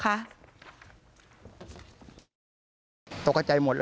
ด้านจำหน้าที่กู้ชีพกู้ภัยสมาคมสมุยบอกว่าศพผู้เสียชีวิตเป็นศพเพศชายค่ะ